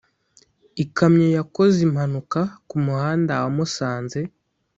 ikamyo yakoze impanuka kumuhanda wamusanze